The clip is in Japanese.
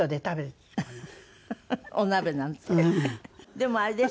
でもあれですよね